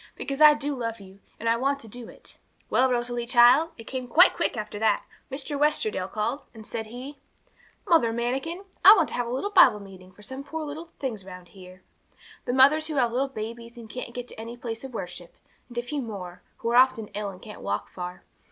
because I do love you, and want to do it_." 'Well, Rosalie, child, it came quite quick after that. Mr. Westerdale called, and, said he '"Mother Manikin, I want to have a little Bible Meeting for some of the poor things round here the mothers who have little babies, and can't get to any place of worship, and a few more, who are often ill, and can't walk far.